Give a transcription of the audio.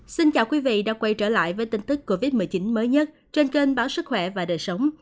xin chào quý vị đã quay trở lại với tin tức covid một mươi chín mới nhất trên kênh báo sức khỏe và đời sống